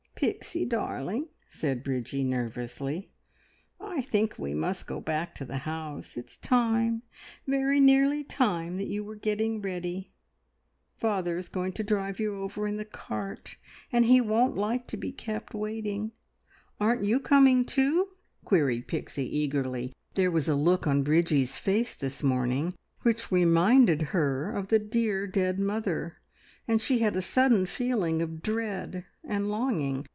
"Pixie darling," said Bridgie nervously, "I think we must go back to the house. It's time very nearly time that you were getting ready. Father is going to drive you over in the cart, and he won't like to be kept waiting." "Aren't you coming too?" queried Pixie eagerly. There was a look on Bridgie's face this morning which reminded her of the dear dead mother, and she had a sudden feeling of dread and longing.